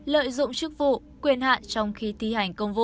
lợi dụng chức vụ quyền hạn trong khi thi hành công vụ